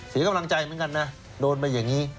เสียกำลังใจเหมือนกันนะโดนไปอย่างนี้